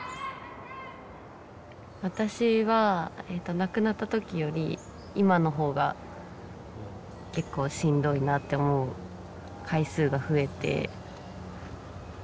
私は亡くなった時より今の方が結構しんどいなって思う回数が増えて。